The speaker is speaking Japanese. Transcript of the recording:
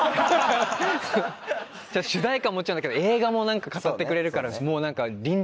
主題歌はもちろんだけど映画も語ってくれるからもう何か。